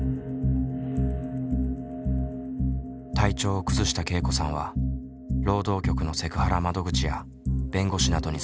体調を崩したけいこさんは労働局のセクハラ窓口や弁護士などに相談。